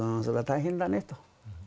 それは大変だねと。